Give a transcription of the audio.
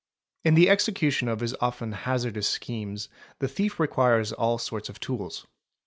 In the execution of his often hazardous schemes the thief requires all sorts of tools.